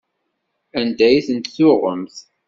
Anda ay ten-tuɣemt?